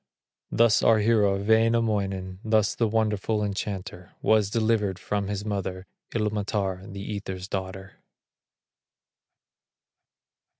Thus our hero, Wainamoinen, Thus the wonderful enchanter Was delivered from his mother, Ilmatar, the Ether's daughter.